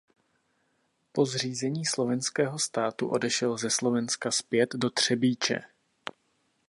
Po zřízení Slovenského štátu odešel ze Slovenska zpět do Třebíče.